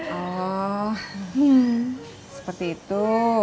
oh seperti itu